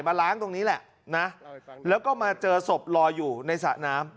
ล้างตรงนี้แหละนะแล้วก็มาเจอศพลอยอยู่ในสระน้ำ